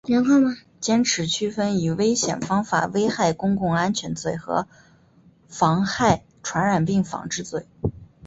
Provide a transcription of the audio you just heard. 坚持区分以危险方法危害公共安全罪和妨害传染病防治罪